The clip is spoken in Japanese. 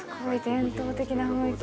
伝統的な雰囲気。